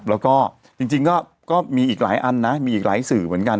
แล้วก็จริงก็มีอีกหลายอันนะมีอีกหลายสื่อเหมือนกัน